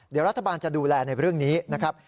เดี๋ยวรัฐบาลจะดูแลในเรื่องนี้นะครับ